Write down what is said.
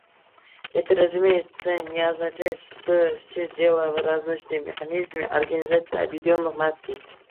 Это, разумеется, не означает, что все дело в разоруженческом механизме Организации Объединенных Наций.